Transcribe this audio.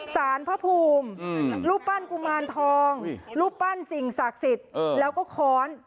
สารพระภูมิรูปปั้นกุมารทองรูปปั้นสิ่งศักดิ์สิทธิ์แล้วก็ค้อน